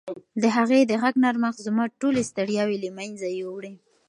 د هغې د غږ نرمښت زما ټولې ستړیاوې له منځه یووړې.